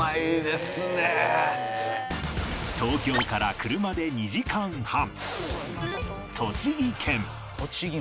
東京から車で２時間半